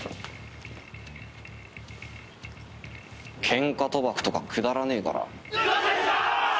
ケンカ賭博とかくだらねえから。